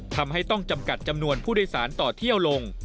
ทำให้ต้องจำกัดจำนวนผู้โดยสารต่อเที่ยวลง